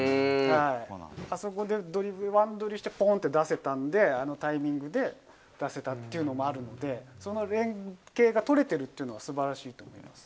あそこでドリブル、ワンドリしてぽーんって出せたんで、あのタイミングで出せたっていうのもあるんで、その連係が取れてるっていうのは、すばらしいと思います。